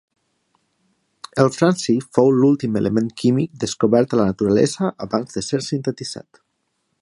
El franci fou l'últim element químic descobert a la naturalesa abans de ser sintetitzat.